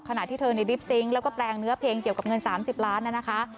เธอในลิปซิงค์แล้วก็แปลงเนื้อเพลงเกี่ยวกับเงิน๓๐ล้านนะคะ